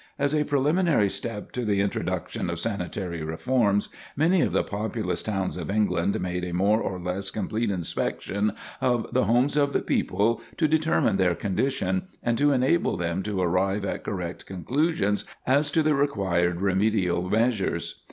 As a preliminary step to the introduction of sanitary reforms, many of the populous towns of England made a more or less complete inspection of the homes of the people to determine their condition, and to enable them to arrive at correct conclusions as to the required remedial measures.